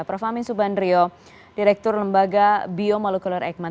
prof amin subandrio direktur lembaga biomolekuler eijkman